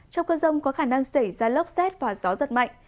trong cơn rông có khả năng xảy ra lốc xét và gió giật mạnh